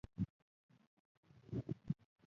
تبه می کمه شوه؟